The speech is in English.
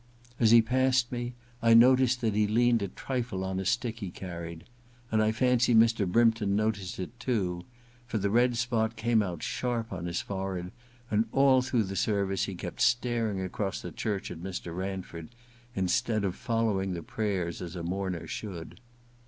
As he passed me I noticed that he leaned a trifle on a stick he carried ; and I fancy Mr. Brympton noticed it too, for the red spot came out sharp on his forehead, and all through the service he kept staring across the church at Mr. Ranford, instead of following the prayers as a mourner should.